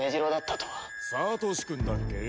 サトシくんだっけ？